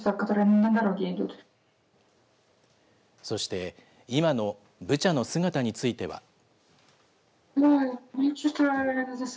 そして、今のブチャの姿については。